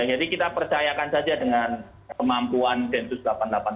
dan jadi kita percayakan saja dengan kemampuan dad delapan puluh delapan